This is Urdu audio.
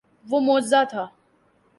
وہ معجزہ تھا۔